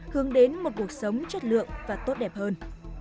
hướng đến một cuộc sống chất lượng và tốt đẹp hơn